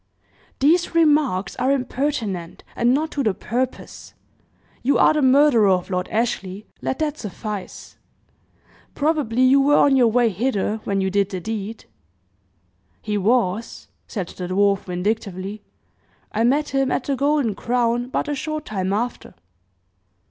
"These remarks are impertinent, and not to the purpose. You are the murderer of Lord Ashley, let that suffice. Probably you were on your way hither when you did the deed?" "He was," said the dwarf, vindictively. "I met him at the Golden Crown but a short time after."